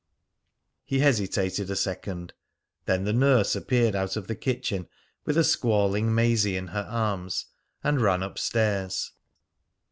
He hesitated a second. Then the nurse appeared out of the kitchen with a squalling Maisie in her arms, and ran up stairs.